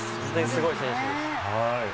すごい選手です。